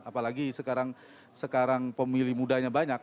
apalagi sekarang pemilih mudanya banyak